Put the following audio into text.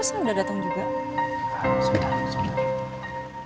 ini gimana aku udah pesen udah dateng